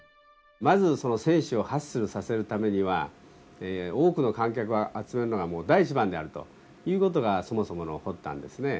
まずその選手をハッスルさせるためには多くの観客を集めるのが第一番であるということがそもそもの発端ですね